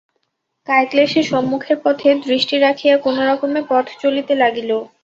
কায়ক্লেশে সম্মুখের পথে দৃষ্টি রাখিয়া কোনোরকমে পথ চলিতে লাগিল।